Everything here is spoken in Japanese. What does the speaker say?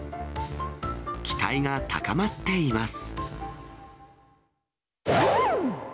期待が高まっています。